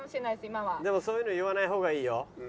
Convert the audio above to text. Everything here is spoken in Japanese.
でもそういうの言わない方がいいよ。